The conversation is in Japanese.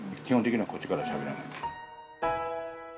基本的にはこっちからしゃべらない。